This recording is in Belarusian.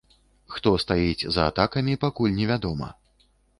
Хто стаіць за атакамі, пакуль невядома.